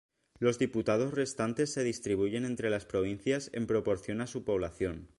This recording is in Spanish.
Los diputados restantes se distribuyen entre las provincias en proporción a su población.